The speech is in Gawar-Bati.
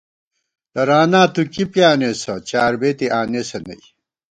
ترانا تُو کی پیانېسہ چاربېتی آنېسہ نئ